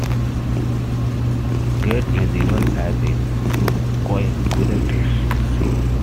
Gets visible as it coagulates, I see.